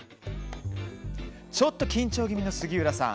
ちょっと緊張気味の杉浦さん。